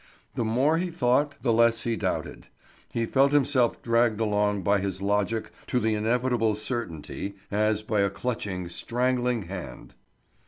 The more he thought the less he doubted. He felt himself dragged along by his logic to the inevitable certainty, as by a clutching, strangling hand.